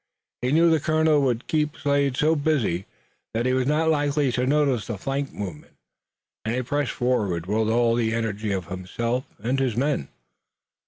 He knew the colonel would keep Slade so busy that he was not likely to notice the flank movement, and he pressed forward with all the energy of himself and his men.